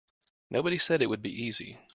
Nobody said it would be easy.